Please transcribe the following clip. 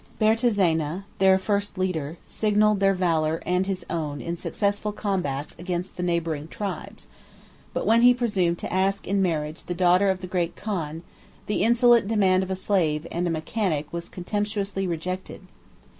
Bertezena, 2512 their first leader, signalized their valor and his own in successful combats against the neighboring tribes; but when he presumed to ask in marriage the daughter of the great khan, the insolent demand of a slave and a mechanic was contemptuously rejected.